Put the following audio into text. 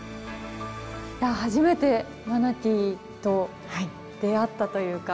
初めてマナティーと出会ったというか。